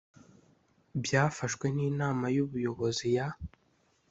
byafashwe n inama y ubuyobozi ya